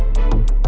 lo awasin dia